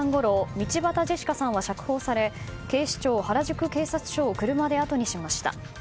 道端ジェシカさんは釈放され警視庁、原宿警察署を車であとにしました。